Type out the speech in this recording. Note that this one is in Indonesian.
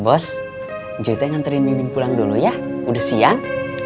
ma bos juti nganterin mimin pulang dulu ya udah siang